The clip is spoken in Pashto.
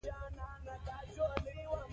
دوی تر پنځو زرو ډېر نفوس درلود.